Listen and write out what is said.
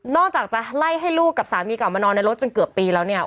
จะไล่ให้ลูกกับสามีกลับมานอนในรถจนเกือบปีแล้วเนี่ย